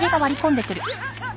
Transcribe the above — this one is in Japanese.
あっ！